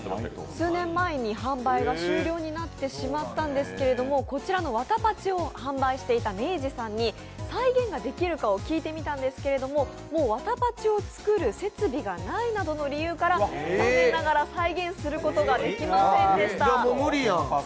数年前に販売が終了になってしまったんですけれども、こちらのわたパチを販売していた明治さんに再現ができるかを聞いてみたんですけど、もうわたパチを作る設備がないなどの理由から残念ながら再現することができませんでした。